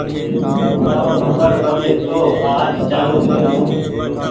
مآرو نمبر بند هيتو آج چآلو ڪۮو ڇوٚنٚ